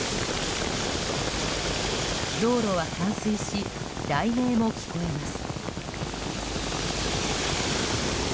道路は冠水し雷鳴も聞こえます。